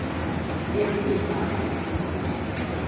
It is enough!